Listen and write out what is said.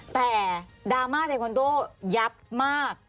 แต่ดราม่าเทคอนโดยับมาก